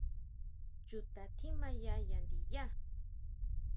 ¿Chuta tjimaya ya ndiyá?